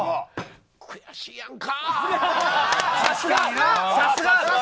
悔しいやんか。